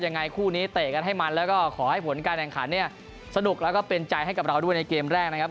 ยังไงคู่นี้เตะกันให้มันแล้วก็ขอให้ผลการแข่งขันเนี่ยสนุกแล้วก็เป็นใจให้กับเราด้วยในเกมแรกนะครับ